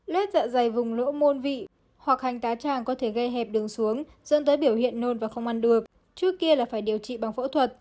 lết dạ dày vùng lỗ muôn vị hoặc hành tá tràng có thể gây hẹp đường xuống dẫn tới biểu hiện nôn và không ăn được trước kia là phải điều trị bằng phẫu thuật